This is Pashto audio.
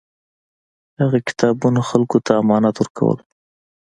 هغه کتابونه خلکو ته امانت ورکول.